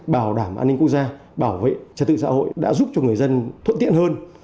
bảo đảm an ninh quốc gia bảo vệ trật tự xã hội đã giúp cho người dân thuận tiện hơn